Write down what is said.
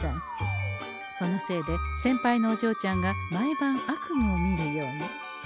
そのせいでせんぱいのおじょうちゃんが毎晩悪夢を見るように。